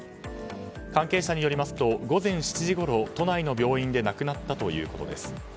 関係者によりますと午前７時ごろ都内の病院で亡くなったということです。